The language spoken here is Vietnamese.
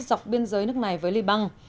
dọc biên giới nước này với liban